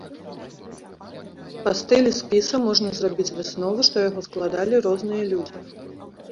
Па стылі спіса можна зрабіць выснову, што яго складалі розныя людзі.